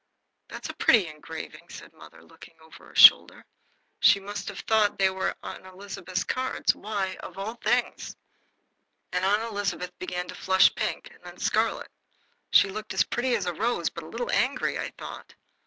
"That's pretty engraving," said mother, looking over her shoulder. She must have thought they were Aunt Elizabeth's cards. "Why! of all things!" Aunt Elizabeth began to flush pink and then scarlet. She looked as pretty as a rose, but a little angry, I thought.